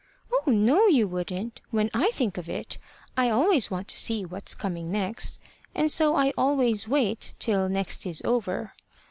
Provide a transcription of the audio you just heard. "Oh, no, you wouldn't! When I think of it, I always want to see what's coming next, and so I always wait till next is over.